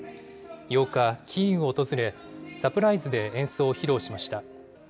８日、キーウを訪れ、サプライズで演奏を披露しました。